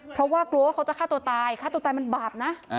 เพราะว่ากลัวว่าเขาจะฆ่าตัวตายฆ่าตัวตายมันบาปนะ